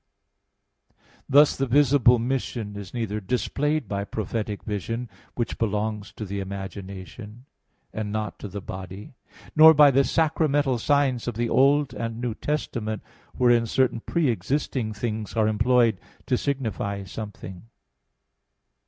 Thus the visible mission is neither displayed by prophetic vision, which belongs to the imagination, and not to the body, nor by the sacramental signs of the Old and New Testament, wherein certain pre existing things are employed to signify something.